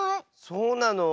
そうなの？